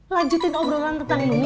lanjutin obrolan tentang noni